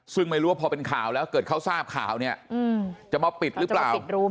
ซึ่งไม่รู้ว่าพอเป็นข่าวแล้วเกิดเขาทราบข่าวเนี่ยจะมาปิดหรือเปล่า